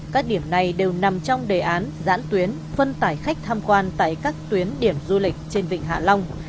các điểm này đều nằm trong đề án giãn tuyến phân tải khách tham quan tại các tuyến điểm du lịch trên vịnh hạ long